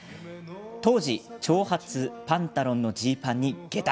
当時、長髪パンタロンのジーパンに、げた。